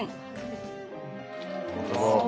本当だ。